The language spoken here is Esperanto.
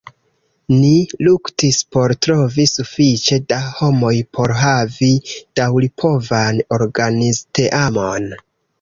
Ni luktis por trovi sufiĉe da homoj por havi daŭripovan organizteamon.